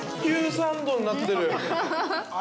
サンドになってる！